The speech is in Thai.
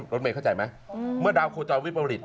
รถเมย์เข้าใจไหมเมื่อดาวโคจรวิปริต